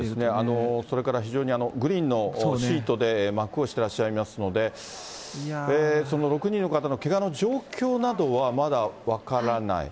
それからグリーンのシートで幕をしてらっしゃいますので、６人の方のけがの状況などはまだ分からない。